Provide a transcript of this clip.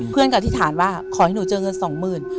อธิษฐานว่าขอให้หนูเจอเงินสองหมื่น